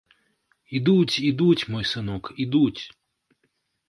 Ідуць, ідуць, мой сынок, ідуць!